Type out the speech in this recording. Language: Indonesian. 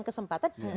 itu eig dusy trajang